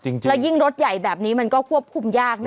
แล้วยิ่งรถใหญ่แบบนี้มันก็ควบคุมยาก